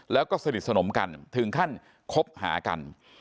แล้วก็สนิทสนมกันถึงขั้นคบหากัน